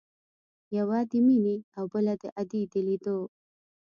يوه د مينې او بله د ادې د ليدو.